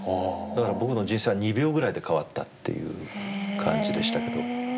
だから僕の人生は２秒ぐらいで変わったっていう感じでしたけど。